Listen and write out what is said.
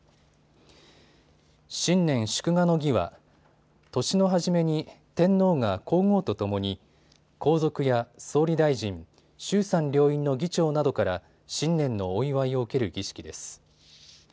新年祝賀の儀は年の初めに天皇が皇后とともに皇族や総理大臣、衆参両院の議長などから新年のお祝いを受ける儀式です。